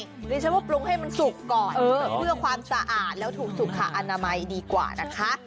ดิฉันว่าปรุงให้มันสุกก่อนเพื่อความสะอาดแล้วถูกสุขอนามัยดีกว่านะคะ